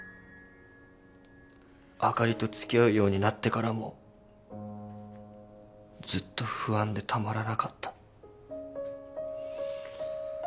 あかりと付き合うようになってからもずっと不安でたまらなかった。